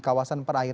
dan juga tanjung pakis